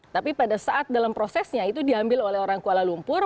tapi pada saat dalam prosesnya itu diambil oleh orang kuala lumpur